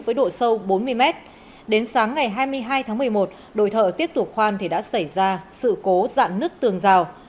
với độ sâu bốn mươi m đến sáng ngày hai mươi hai tháng một mươi một đội thợ tiếp tục khoan thì đã xảy ra sự cố dạn nứt tường rào